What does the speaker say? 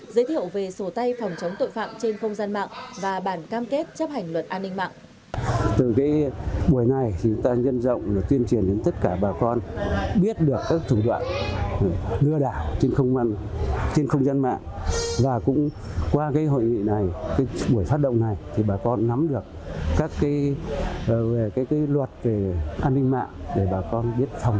giới thiệu về sổ tay phòng chống tội phạm trên không gian mạng và bản cam kết chấp hành luật an ninh mạng